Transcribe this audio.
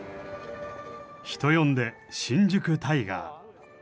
人呼んで新宿タイガー。